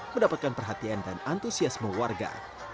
mendapatkan perhatian dan antusiasme warga